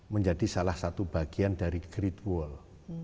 menjadi salah satu bagian dari great wall